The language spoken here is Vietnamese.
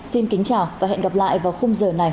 xin kính chào và hẹn gặp lại vào khung giờ này tuần sau